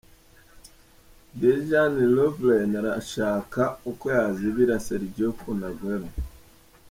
Dejan Lovren ashaka uko yazibira Sergio Kun Aguero.